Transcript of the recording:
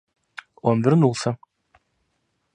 Он вернулся.